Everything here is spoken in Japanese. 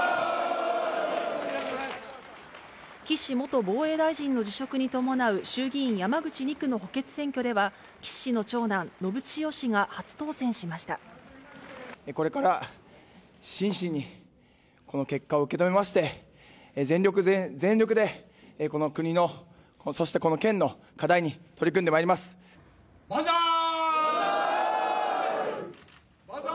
岸元防衛大臣の辞職に伴う、衆議院山口２区の補欠選挙では、岸氏の長男、これから真摯に、この結果を受け止めまして、全力で、この国の、そしてこの県の課題に取り組ばんざーい。